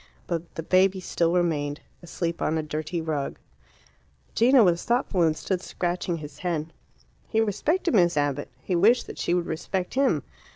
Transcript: But the baby still remained, asleep on a dirty rug. Gino was thoughtful, and stood scratching his head. He respected Miss Abbott. He wished that she would respect him.